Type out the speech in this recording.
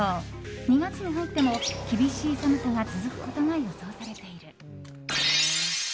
２月に入っても厳しい寒さが続くことが予想されている。